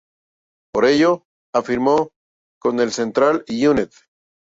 Por ello, firmó con el Central United.